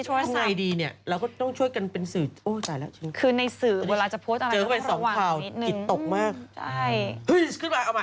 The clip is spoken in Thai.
ถามดูบอกว่าพ่อพ่ออยู่ในสื่อก็คิดว่าจะปุ่นเหลือ